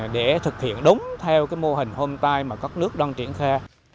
để thực hiện đúng theo mô hình homestay mà các nước đoàn triển khe